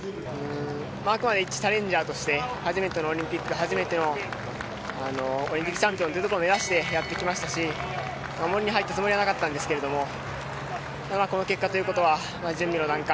あくまでいちチャレンジャーとして初めてのオリンピック初めてのオリンピックチャンピオンというところを目指してやってきましたし守りに入ったつもりはなかったんですけれどもこの結果ということは準備の段階